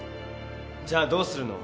じゃあどうするの？